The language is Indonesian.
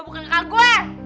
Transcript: lo bukan kak gue